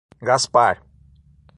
Gaspar